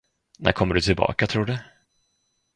När kommer du tillbaka, tror du?